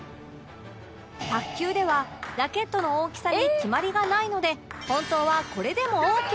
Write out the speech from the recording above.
卓球ではラケットの大きさに決まりがないので本当は